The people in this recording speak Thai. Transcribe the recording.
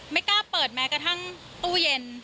ไม่กล้าเปิดแม้กระทั่งตู้เย็น